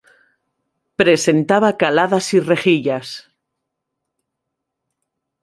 Presentaba caladas y rejillas.